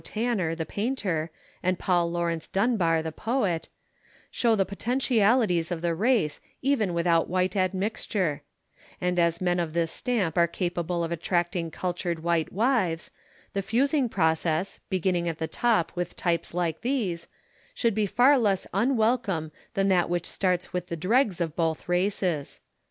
Tanner, the painter, and Paul Laurence Dunbar, the poet show the potentialities of the race even without white admixture; and as men of this stamp are capable of attracting cultured white wives, the fusing process, beginning at the top with types like these, should be far less unwelcome than that which starts with the dregs of both races.